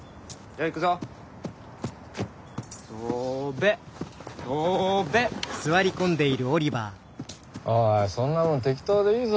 おいおいそんなもん適当でいいぞ。